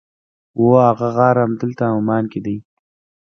هو هغه غار همدلته عمان کې دی.